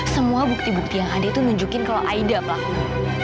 semua bukti bukti yang ada itu nunjukin kalau aida pelakunya